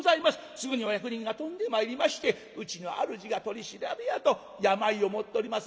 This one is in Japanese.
すぐにお役人が飛んでまいりましてうちの主が取り調べやと病を持っております